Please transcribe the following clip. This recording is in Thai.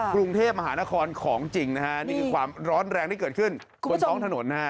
กรุงเทพมหานครของจริงนะฮะนี่คือความร้อนแรงที่เกิดขึ้นบนท้องถนนนะฮะ